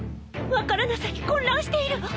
分からなさに混乱しているわ！